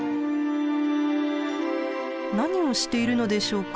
何をしているのでしょうか？